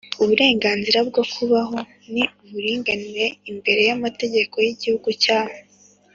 uburenganzira bwo kubaho n'uburinganire imbere y'amategeko y'igihugu cyabo